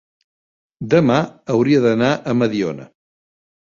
demà hauria d'anar a Mediona.